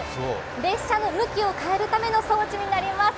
列車の向きを変えるための装置になります。